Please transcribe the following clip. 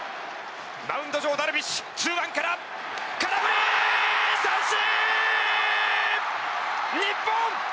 マウンド上、ダルビッシュ空振り三振！